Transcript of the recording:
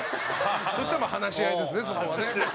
澤部：そしたら話し合いですね、そこはね。